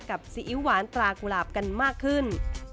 ซีอิ๊วหวานตรากุหลาบกันมากขึ้น